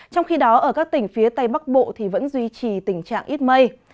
trong khi đó ở các tỉnh phía tây bắc bộ thì vẫn duy trì tình trạng ít mây